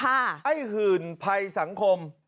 ไอ้หื่นภัยสังคม